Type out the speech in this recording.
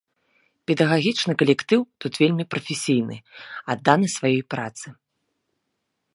Педагагічны калектыў тут вельмі прафесійны, адданы сваёй працы.